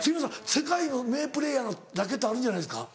世界の名プレーヤーのラケットあるんじゃないですか？